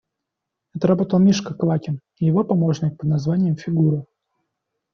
Это работал Мишка Квакин и его помощник, под названием «Фигура».